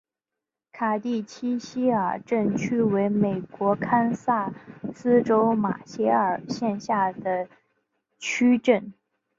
卡蒂奇希尔镇区为美国堪萨斯州马歇尔县辖下的镇区。